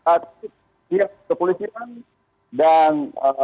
aktif siap kepolisian dan